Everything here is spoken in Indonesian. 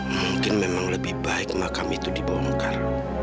mungkin memang lebih baik makam itu dibongkar